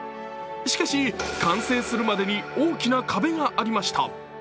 しかし、完成するまでに大きな壁がありました。